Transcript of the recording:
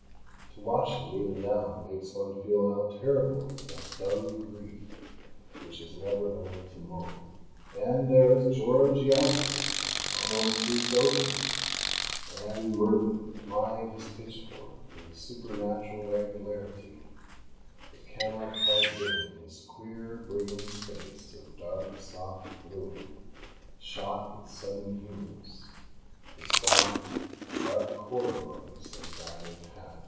To watch him even now makes one feel how terrible is that dumb grief which has never learned to moan. And there is George Yeoford, almost too sober; and Murdon plying his pitchfork with a supernatural regularity that cannot quite dim his queer brigand's face of dark, soft gloom shot with sudden humours, his soft, dark corduroys and battered hat.